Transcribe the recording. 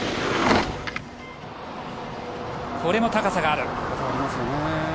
これも高さがある。